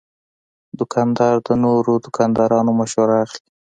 دوکاندار د نورو دوکاندارانو مشوره اخلي.